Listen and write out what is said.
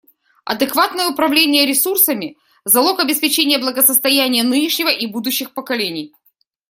Адекватное управление ресурсами — залог обеспечения благосостояния нынешнего и будущих поколений.